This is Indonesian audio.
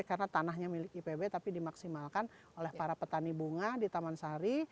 karena tanahnya milik ipb tapi dimaksimalkan oleh para petani bunga di taman sari